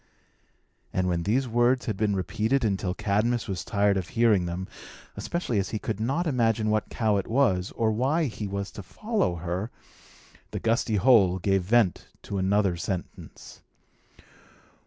And when these words had been repeated until Cadmus was tired of hearing them (especially as he could not imagine what cow it was, or why he was to follow her), the gusty hole gave vent to another sentence.